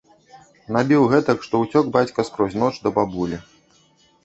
Набіў гэтак, што ўцёк бацька скрозь ноч да бабулі.